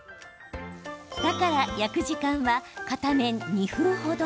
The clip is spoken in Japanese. だから、焼く時間は片面２分程。